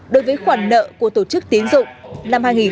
đối với khoản nợ của tổ chức tiến dụng